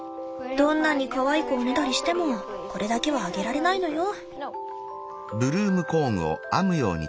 どんなにかわいくおねだりしてもこれだけはあげられないのよ。